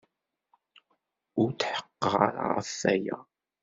Ur tḥeqqeɣ ara ɣef waya.